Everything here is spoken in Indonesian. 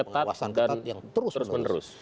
ketat dan terus menerus